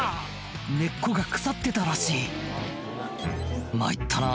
根っこが腐ってたらしい「参ったな」